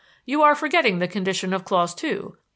You are forgetting the condition of clause two.